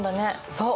そう。